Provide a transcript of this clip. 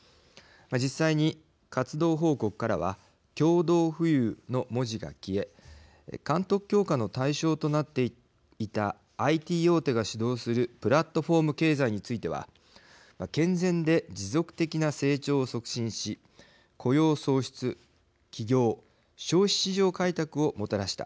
実際に活動報告からは共同富裕の文字が消え監督強化の対象となっていたＩＴ大手が主導するプラットホーム経済については健全で持続的な成長を促進し雇用創出、起業消費市場開拓をもたらした。